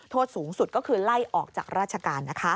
โทษสูงสุดก็คือไล่ออกจากราชการ